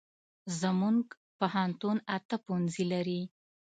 زمونږ پوهنتون اته پوهنځي لري